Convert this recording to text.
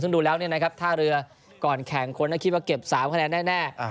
ซึ่งดูแล้วเนี่ยนะครับท่าเรือก่อนแข่งคนก็คิดว่าเก็บ๓คะแนนแน่